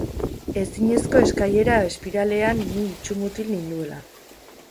Ezinezko eskailera espiralean ni itsumutil ninduela.